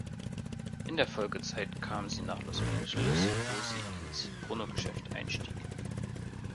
In der Folgezeit kam sie nach Los Angeles, wo sie ins Pornogeschäft einstieg.